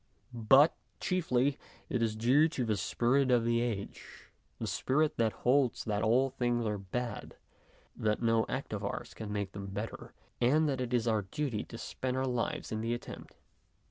But, chiefly, it is due to the spirit of the age, the spirit that holds that all things are bad, that no act of ours can make them better, and that it is our duty to spend our lives in the attempt.